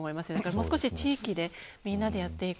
もう少し地域で、みんなでやっていく。